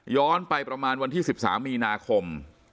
ไปประมาณวันที่๑๓มีนาคม